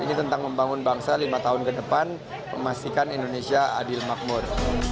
ini tentang membangun bangsa lima tahun ke depan memastikan indonesia adil makmur